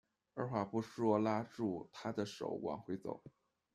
二话不说拉住她的手往回走